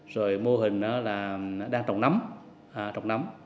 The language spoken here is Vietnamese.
rồi mô hình là đang trồng nấm trồng nấm